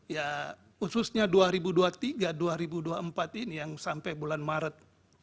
ya khususnya dua ribu dua puluh tiga dua ribu dua puluh empat ini yang sampai bulan maret